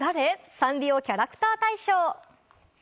サンリオキャラクター大賞。